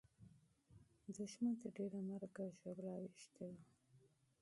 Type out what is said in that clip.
دښمن ته ډېره مرګ او ژوبله اوښتې وه.